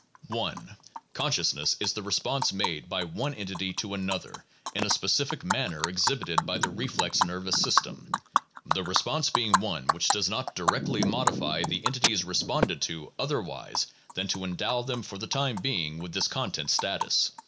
1. Consciousness is the response made by one entity to another in a specific manner exhibited by the reflex nervous system — the re sponse being one which does not directly modify the entities re sponded to otherwise than to endow them for the time being with this content status.